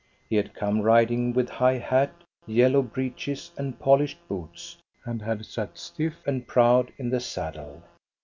'He had come riding with high hat, yellow breeches, and polished boots, and had sat stiff and proud in the saddle.